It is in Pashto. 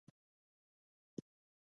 فکر نه کوم چې اتریشیان دې اس سپاره ولري.